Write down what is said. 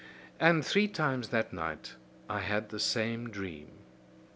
"And three times that night I had the same dream.